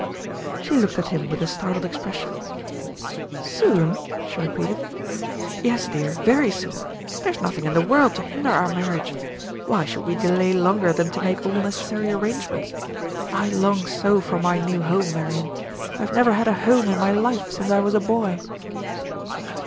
She looked at him with a startled expression. "Soon!" she repeated. "Yes, dear, very soon. There is nothing in the world to hinder our marriage. Why should we delay longer than to make all necessary arrangements? I long so for my new home, Marian, I have never had a home in my life since I was a boy."